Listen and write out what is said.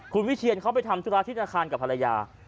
คุณวิเชียนเขาไปทำธุระที่ธนาคารกับภรรยา